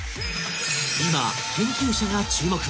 いま研究者が注目！